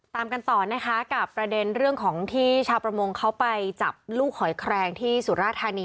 ตามกันต่อนะคะกับประเด็นเรื่องของที่ชาวประมงเขาไปจับลูกหอยแครงที่สุราธานี